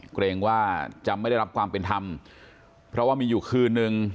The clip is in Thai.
เกรงว่าจะไม่ได้รับความเป็นธรรมเพราะว่ามีอยู่คืนนึง